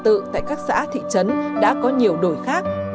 an ninh trật tự tại các xã thị trấn đã có nhiều đổi khác